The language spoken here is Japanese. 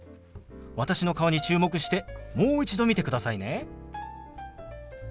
私の顔に注目してもう一度見てくださいね。